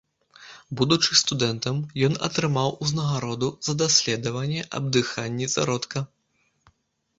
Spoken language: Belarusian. Будучы студэнтам, ён атрымаў узнагароду за даследаванне аб дыханні зародка.